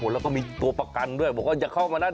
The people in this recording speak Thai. แล้วก็มีตัวประกันด้วยบอกว่าอย่าเข้ามานั่น